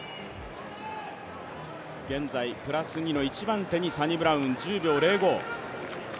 現在、プラス２の一番手にサニブラウン１０秒０５。